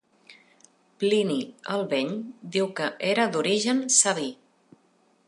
Plini el Vell diu que era d'origen sabí.